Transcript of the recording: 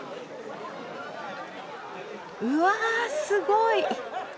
うわすごい！